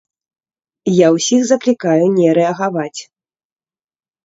Я ўсіх заклікаю не рэагаваць.